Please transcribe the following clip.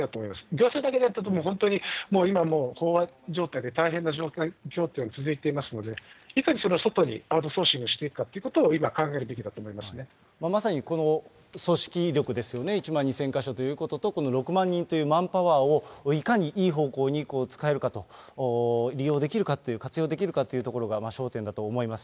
行政だけでやっても、もう今本当に飽和状態で大変な状況が続いていますので、いかに外にソーシングしていくかということを今、まさにこの組織力ですよね、１万２０００か所ということと、この６万人というマンパワーをいかにいい方向に使えるかと、利用できるか、活用できるかというところが焦点だと思います。